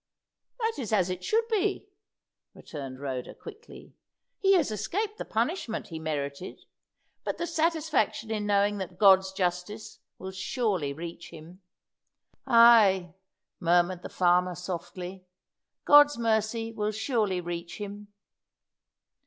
"That is as it should be," returned Rhoda, quickly. "He has escaped the punishment he merited; but there's satisfaction in knowing that God's justice will surely reach him." "Ay," murmured the farmer softly, "God's mercy will surely reach him."